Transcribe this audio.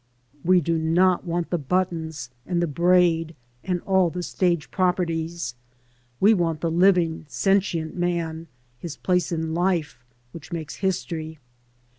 We do not want the buttons and the braid and all the stage properties ; we want the living, sentient man, his place in life which makes history.